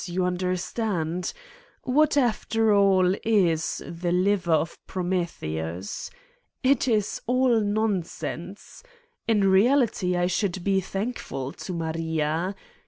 You understand f What after all, is the liver of Prometheus? It is all nonsense! In reality, I should be thankful to Maria.